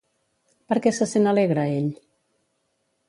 Per què se sent alegre ell?